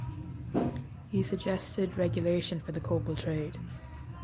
He suggested regulation for the copal trade.